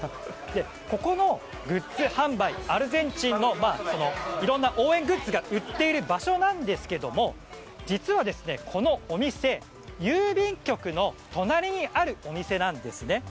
ここは、アルゼンチンのいろんな応援グッズが売っている場所なんですけど実は、このお店郵便局の隣にあるお店なんですね。